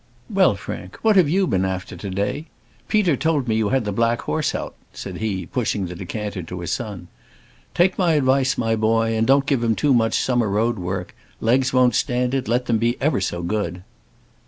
"Well, Frank, what have you been after to day? Peter told me you had the black horse out," said he, pushing the decanter to his son. "Take my advice, my boy, and don't give him too much summer road work. Legs won't stand it, let them be ever so good."